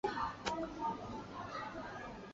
昂代尔尼人口变化图示